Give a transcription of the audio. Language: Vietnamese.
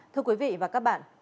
thưa quý vị và các bạn